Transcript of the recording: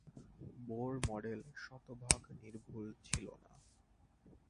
Bore model শতভাগ নির্ভুল ছিলোনা।